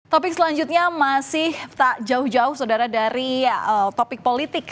topik selanjutnya masih tak jauh jauh saudara dari topik politik